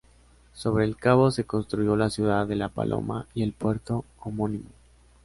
Sobre el cabo se construyó la ciudad de La Paloma y el puerto homónimo.